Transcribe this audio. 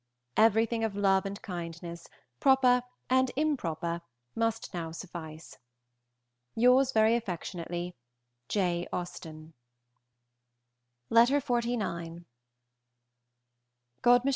Everything of love and kindness, proper and improper, must now suffice. Yours very affectionately, J. AUSTEN. Miss AUSTEN, Chawton, Alton, Hants.